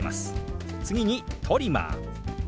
次に「トリマー」。